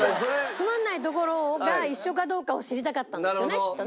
つまらないところが一緒かどうかを知りたかったんですよねきっとね。